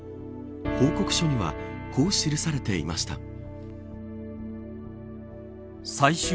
報告書にはこう記されていました。